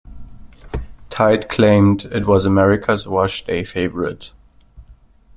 Tide claimed it was America's Washday Favorite.